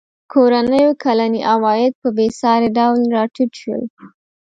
کورنیو کلني عواید په بېساري ډول راټیټ شول.